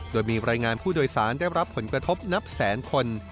โดยมีรายงานผู้โดยสารได้รับผลกระทบนับแสนคน